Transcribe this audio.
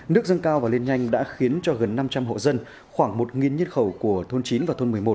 nước dâng cao và lên nhanh đã khiến cho gần năm trăm linh hộ dân khoảng một nhân khẩu của thôn chín và thôn một mươi một